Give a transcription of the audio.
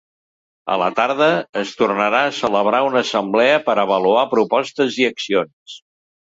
A la tarda es tornarà a celebrar una assemblea per avaluar propostes i accions.